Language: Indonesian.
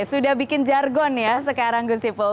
sudah bikin jargon ya sekarang gus ipul